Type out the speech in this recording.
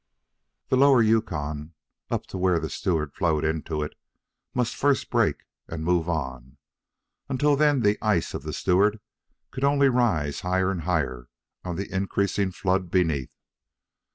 The lower Yukon, up to where the Stewart flowed into it, must first break and move on. Until then the ice of the Stewart could only rise higher and higher on the increasing flood beneath.